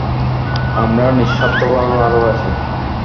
আমরা নিঃস্বার্থভাবে ভালোবাসি।